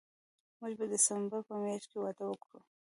موږ به د ډسمبر په میاشت کې واده وکړو